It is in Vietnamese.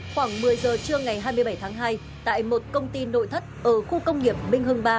khoảng một mươi giờ trưa ngày hai mươi bảy tháng hai tại một công ty nội thất ở khu công nghiệp minh hưng ba